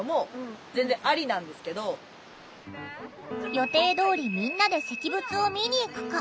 予定どおりみんなで石仏を見に行くか。